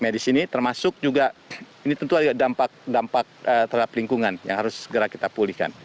medis ini termasuk juga ini tentu ada dampak dampak terhadap lingkungan yang harus segera kita pulihkan